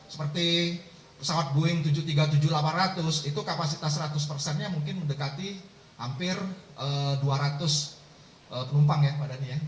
seperti pesawat boeing tujuh ratus tiga puluh tujuh delapan ratus itu kapasitas seratus persennya mungkin mendekati hampir dua ratus penumpang ya pak dhani ya